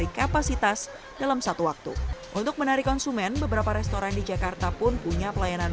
kapasitas dalam satu waktu untuk menarik konsumen beberapa restoran di jakarta pun punya pelayanan